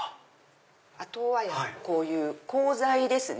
あとはこういう鋼材ですね